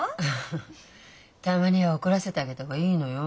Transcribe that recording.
フフッたまには怒らせてあげた方がいいのよ。